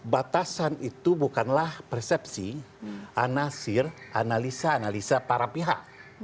batasan itu bukanlah persepsi anasir analisa analisa para pihak